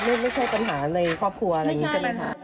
ก็ถึงแบบไม่เคยปัญหาในครอบครัวอะไรอย่างนี้ใช่ไหมคะ